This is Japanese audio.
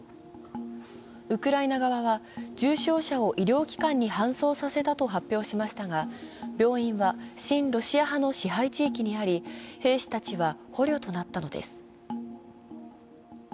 ウクライナ側は、重傷者を医療機関に搬送させたと発表しましたが病院は親ロシア派の支配地域にあり兵士たちは捕虜となったのです。